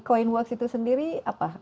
coinworks itu sendiri apa